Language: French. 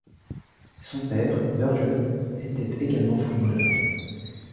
Son père, Börje, était également footballeur.